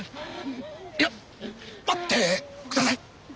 いや待ってください！